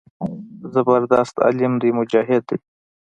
زبردست عالم دى مجاهد دى.